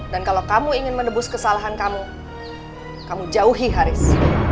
dan kalau kamu ingin menebus kesalahan kamu kamu jauhi haris